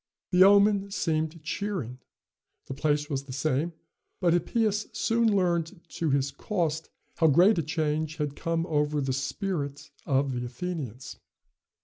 The omen seemed cheering. The place was the same, but Hippias soon learned to his cost how great a change had come over the spirit of the Athenians.